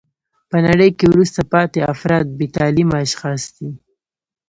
په نړۍ کښي وروسته پاته افراد بې تعلیمه اشخاص دي.